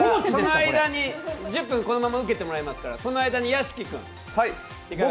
その間に１０分このまま受けてもらいますからその間に屋敷君。